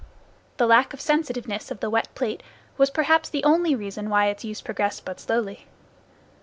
The lack of sensitiveness of the wet plate was perhaps the only reason why its use progressed but slowly.